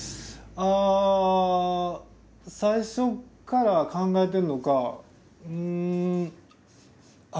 あ最初から考えてるのかうんあっ